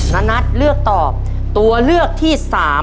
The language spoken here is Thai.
นานัทเลือกตอบตัวเลือกที่๓๒๒๓๔